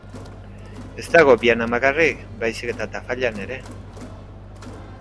Ez dago Vianan bakarrik, baizik eta Tafallan ere.